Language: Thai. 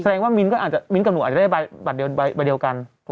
แสดงว่ามิ้นท์กับหนูอาจจะได้บัตรใบเดียวกัน